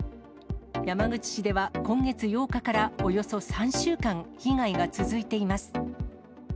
山口市では今月８日からおよそ３週間、被害が続いています。